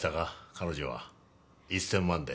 彼女は１，０００万で。